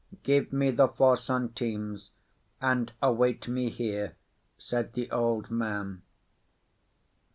"Give me the four centimes and await me here," said the old man.